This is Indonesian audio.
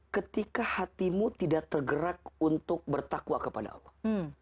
ketika hatimu tidak tergerak untuk bertakwa kepada allah